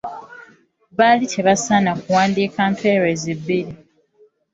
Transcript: Baali tebasaana kuwandiika mpeerezi bbiri.